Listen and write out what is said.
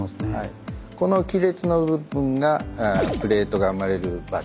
この亀裂の部分がプレートが生まれる場所